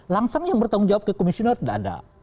langsung yang bertanggung jawab ke komisioner tidak ada